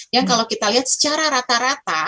yang kalau kita lihat secara rata rata